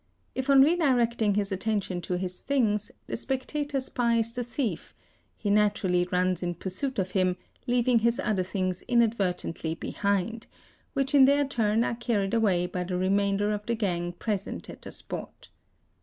If on redirecting his attention to his things, the spectator spies the thief, he naturally runs in pursuit of him, leaving his other things inadvertently ° behind, which in their turn are carried away by the remainder of the gang present at the spot.